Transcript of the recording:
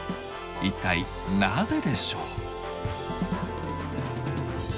一体なぜでしょう？